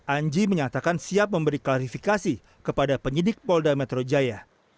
anji menyatakan siap memberi klarifikasi kepada penyidik polda metro jaya